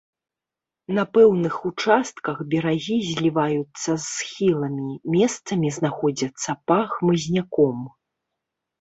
На пэўных участках берагі зліваюцца з схіламі, месцамі знаходзяцца па хмызняком.